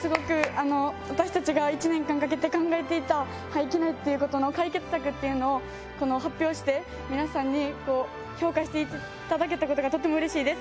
すごく私たちが１年間かけて考えていた廃棄苗っていうことの解決策っていうのを発表して皆さんに評価していただけたことがとってもうれしいです。